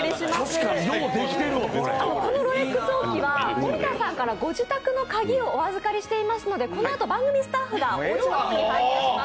このロレックス置き場森田さんからご自宅の鍵をお預かりしていますのでこのあと番組スタッフがおうちに配送いたします。